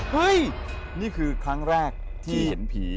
นี่คือครั้งแรกที่เห็นผี